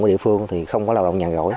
của địa phương thì không có lao động nhàn rỗi